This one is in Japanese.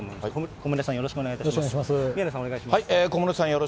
小牟礼さん、よろしくお願いいたします。